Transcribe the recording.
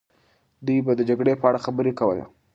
دوی به د جګړې په اړه خبرې کوله.